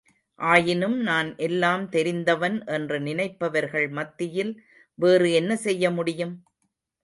ஆயினும் நான் எல்லாம் தெரிந்தவன் என்று நினைப்பவர்கள் மத்தியில் வேறு என்ன செய்ய முடியும்?